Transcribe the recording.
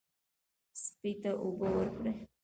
سپي ته اوبه ورکړئ.